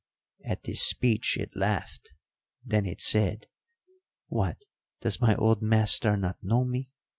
At this speech it laughed; then it said, 'What, does my old master not know me?